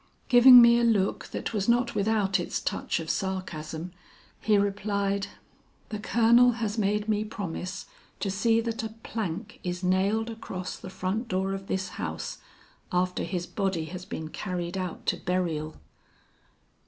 Giving me a look that was not without its touch of sarcasm, he replied, 'The colonel has made me promise, to see that a plank is nailed across the front door of this house, after his body has been carried out to burial.'